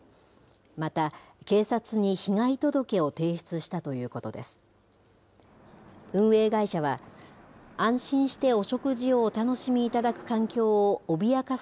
また、警察に被害届を提出したということです。